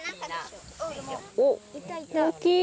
おっ大きい。